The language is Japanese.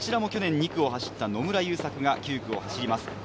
去年２区を走った野村優作が９区を走ります。